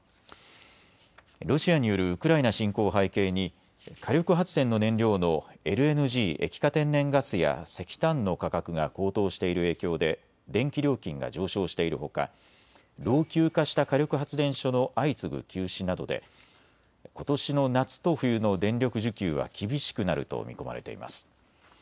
ロシアによるウクライナ侵攻を背景に火力発電の燃料のＬＮＧ・液化天然ガスや石炭の価格が高騰している影響で電気料金が上昇しているほか老朽化した火力発電所の相次ぐ休止などでことしの夏と冬の電力需給は厳しくなると見込まれています。